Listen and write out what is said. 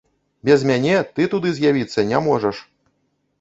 Без мяне ты туды з'явіцца не можаш!